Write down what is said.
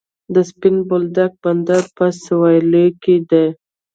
د سپین بولدک بندر په سویل کې دی